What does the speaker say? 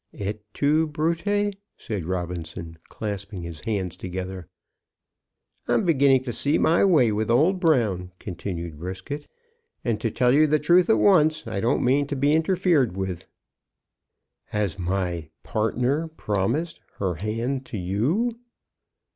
"Et tu, Brute?" said Robinson, clasping his hands together. "I'm beginning to see my way with old Brown," continued Brisket; "and, to tell you the truth at once, I don't mean to be interfered with." "Has my partner promised her hand to you?"